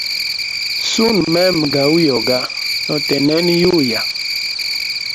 Suna mema ga uyoga notegnena yuya.